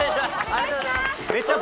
ありがとうございます。